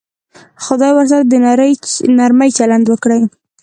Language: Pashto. خدای ورسره د نرمي چلند وکړي.